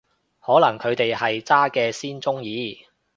可能佢哋係渣嘅先鍾意